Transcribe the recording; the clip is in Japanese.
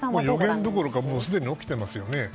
予言どころかもうすでに起きていますよね。